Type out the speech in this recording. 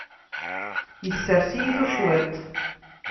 Issers-iyi tucwiḍt.